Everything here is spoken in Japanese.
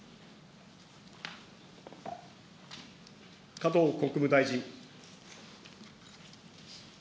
加藤国務大臣。